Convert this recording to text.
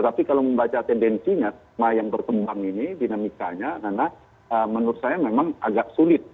tapi kalau membaca tendensinya yang berkembang ini dinamikanya karena menurut saya memang agak sulit